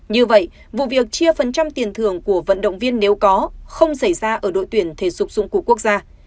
như vậy vụ việc chia phần trăm tiền thưởng của vận động viên nếu có không xảy ra ở đội tuyển thể dục dụng cụ quốc gia